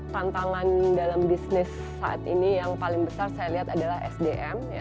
tantangan dalam bisnis saat ini yang paling besar saya lihat adalah sdm